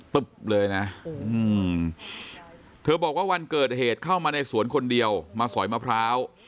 ตึบเลยนะเธอบอกว่าวันเกิดเหตุเข้ามาในสวนคนเดียวมาสอยมะพร้าว